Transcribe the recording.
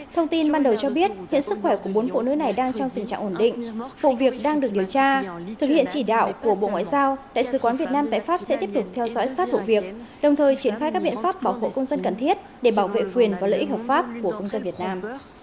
thông tin ban đầu cho biết hiện sức khỏe của bốn phụ nữ này đang trong tình trạng ổn định vụ việc đang được điều tra thực hiện chỉ đạo của bộ ngoại giao đại sứ quán việt nam tại pháp sẽ tiếp tục theo dõi sát vụ việc đồng thời triển khai các biện pháp bảo hộ công dân cần thiết để bảo vệ quyền và lợi ích hợp pháp của công dân việt nam